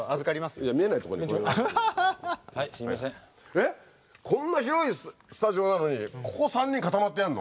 えっこんな広いスタジオなのにここ３人固まってやるの？